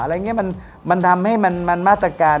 อะไรอย่างนี้มันทำให้มันมาตรการ